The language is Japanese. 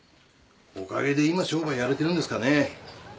おかげで今商売やれてるんですかね。